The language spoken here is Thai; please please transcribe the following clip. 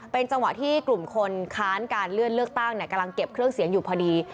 เป็นจังหวะที่กลุ่มคนค้านการเลื่อนเลือกตั้งกำลังเก็บเครื่องเสียงอยู่พอดี